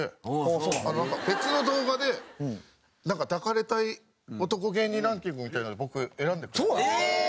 なんか別の動画で「抱かれたい男芸人ランキング」みたいなので僕選んでくれて。